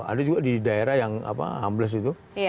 ada juga di daerah yang ambles itu